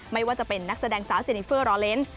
ไม่ว่าจะเป็นนักแสดงสาวเจนิเฟอร์รอเลนส์